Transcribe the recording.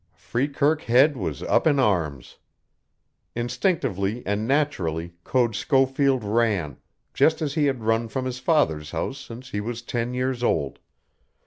Freekirk Head was up in arms. Instinctively and naturally Code Schofield ran, just as he had run from his father's house since he was ten years old.